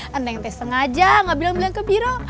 neneng sengaja gak bilang bilang ke biro